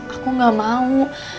aku enggak mau